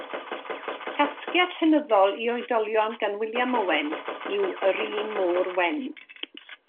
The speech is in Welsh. Casgliad llenyddol i oedolion gan William Owen yw Yr Un Mor Wen.